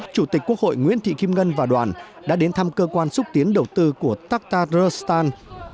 chủ tịch quốc hội nguyễn thị kim ngân và đoàn đã đến thăm cơ quan xúc tiến đầu tư của taktaristan